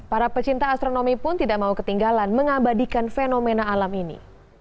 para pecinta astronomi pun tidak mau ketinggalan mengabadikan fenomena alam ini